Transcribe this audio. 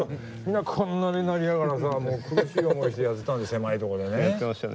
こんなになりながらさもう苦しい思いしてやってたんだ狭いとこでね。